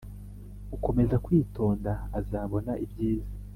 ukomeza kwitonda azabona ibyiza